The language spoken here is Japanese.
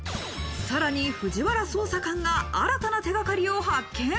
さらに藤原捜査官が新たな手掛かりを発見。